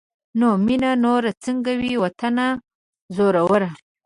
نو مينه نوره سنګه وي واطنه زوروره